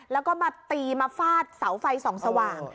แล้วก็มาตีมาฟาดเสาไฟส่องสว่าง